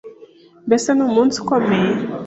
Mbese ni umunsi ukomeye